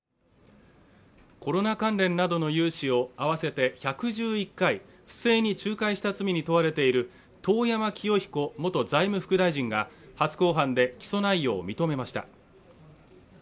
コロナ関連などの融資を合わせて１１１回不正に仲介した罪に問われている遠山清彦元財務副大臣が初公判で起訴内容を認めました。